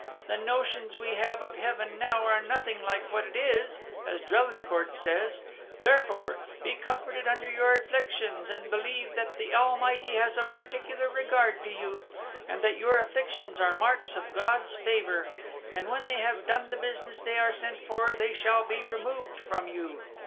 The notions we have of Heaven now are nothing like what it is, as Drelincourt says; therefore be comforted under your afflictions, and believe that the Almighty has a particular regard to you, and that your afflictions are marks of God's favor; and when they have done the business they are sent for, they shall be removed from you.